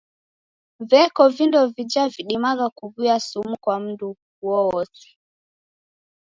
Veko vindo vija vidimagha kuw'uya sumu kwa mndu uowose.